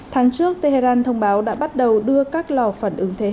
tháng trước tehran thông báo đã bắt đầu tìm hiểu về các vấn đề của iran